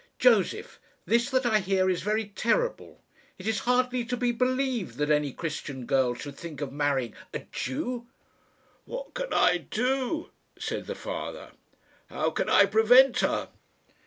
Josef, this that I hear is very terrible. It is hardly to be believed that any Christian girl should think of marrying a Jew." "What can I do?" said the father. "How can I prevent her?"